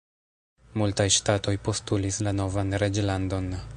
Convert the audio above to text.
Multaj ŝtatoj postulis la novan reĝlandon.